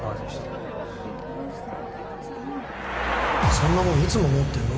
そんなもんいつも持ってんの？